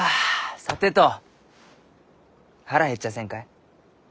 さてと腹減っちゃあせんかえ？